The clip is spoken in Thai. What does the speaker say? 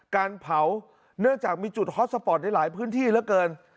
การเผาเนื่องจากมีจุดฮอตสปอร์ตในหลายพื้นที่เหลือเกิน